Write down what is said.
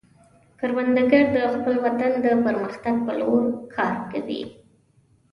کروندګر د خپل وطن د پرمختګ په لور کار کوي